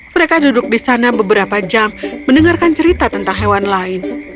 mereka duduk di sana beberapa jam mendengarkan cerita tentang hewan lain